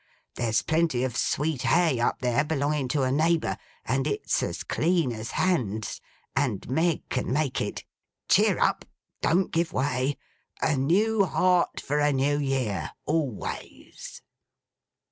There's plenty of sweet hay up there, belonging to a neighbour; and it's as clean as hands, and Meg, can make it. Cheer up! Don't give way. A new heart for a New Year, always!